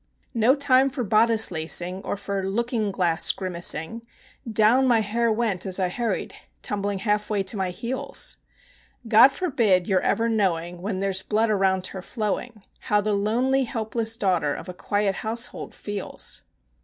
No time for bodice lacing or for looking glass grimacing; Down my hair went as I hurried, tumbling half way to my heels; God forbid your ever knowing, when there's blood around her flowing, How the lonely, helpless daughter of a quiet house hold feels!